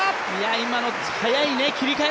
今の速い切り替え。